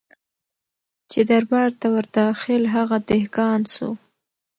چي دربار ته ور داخل هغه دهقان سو